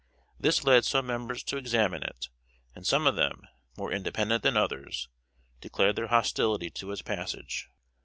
This led some members to examine it; and some of them, more independent than others, declared their hostility to its passage.